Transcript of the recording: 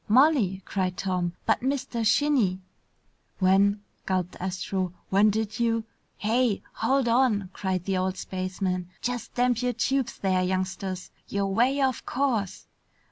"Molly!" cried Tom. "But, Mr. Shinny " "When " gulped Astro, "when did you " "Hey! Hold on!" cried the old spaceman. "Just damp your tubes there, youngsters! You're way off course.